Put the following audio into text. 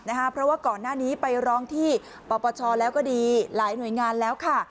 เพราะว่าก่อนหน้านี้ไปร้องที่ปปชแล้วก็ดีหลายหน่วยงานแล้วค่ะ